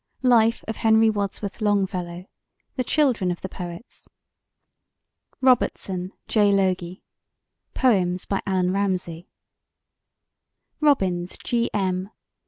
Life of Henry Wadsworth Longfellow The Children of the Poets ROBERTSON, J. LOGIE: Poems by Allan Ramsay ROBINS, G. M.